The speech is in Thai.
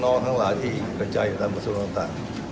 น้องทั้งหลายที่หิกกะใจตามประสบความตัน